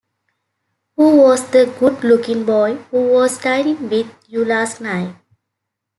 Who was that good-looking boy who was dining with you last night?